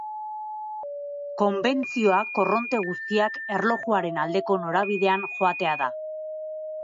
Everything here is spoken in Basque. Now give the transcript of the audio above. Konbentzioa korronte guztiak erlojuaren aldeko norabidean joatea da.